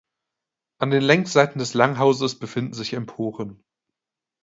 An den Längsseiten des Langhauses befinden sich Emporen.